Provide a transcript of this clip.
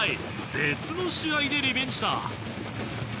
別の試合でリベンジさ。